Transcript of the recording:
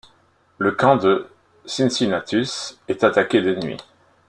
Le camp de Cincinnatus est attaqué de nuit.